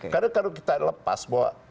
karena kalau kita lepas bahwa